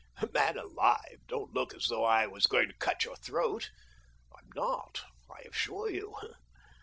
... Man alive, don't look as though I was going to cut your throat ! I'm not, I assure you.